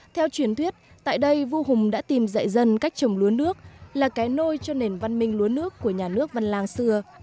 theo truyền thuyết tại đây vua hùng đã tìm dạy dân cách trồng lúa nước là cái nôi cho nền văn minh lúa nước của nhà nước văn lang xưa